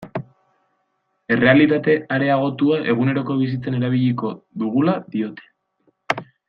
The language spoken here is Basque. Errealitate areagotua eguneroko bizitzan erabiliko dugula diote.